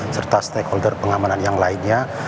serta stakeholder pengamanan yang lainnya